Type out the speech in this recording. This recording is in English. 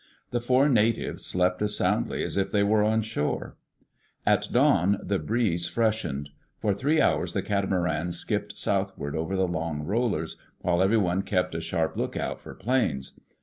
The four natives slept as soundly as if they were on shore. At dawn the breeze freshened. For three hours the catamaran skipped southward over the long rollers, while everyone kept a sharp lookout for planes.